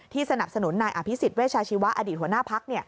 สนับสนุนนายอภิษฎเวชาชีวะอดีตหัวหน้าพัก